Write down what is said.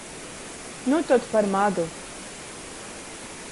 Nu tod par madu.